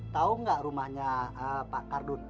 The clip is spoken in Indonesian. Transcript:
tahu gak rumahnya pak kardut